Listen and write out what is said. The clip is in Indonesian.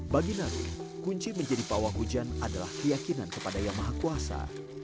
bagi narun kunci menjadi pawang hujan adalah keyakinan kepada yang maha kuasa